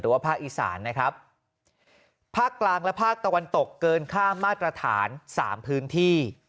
ว่าภาคอีสานนะครับภาคกลางและภาคตะวันตกเกินค่ามาตรฐานสามพื้นที่